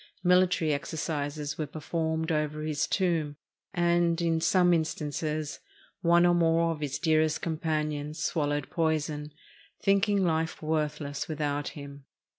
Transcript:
Military exercises were performed over his tomb, and, in some instances, one or more of his dearest companions swallowed poison, thinking life worthless without him.